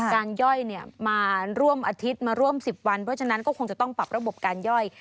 ย่อยมาร่วมอาทิตย์มาร่วม๑๐วันเพราะฉะนั้นก็คงจะต้องปรับระบบการย่อย